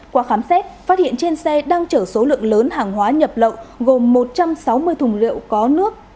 qua khám xét phát hiện trên xe đang chở số lượng lớn hàng hóa nhập lậu gồm một trăm sáu mươi thùng liệu có nước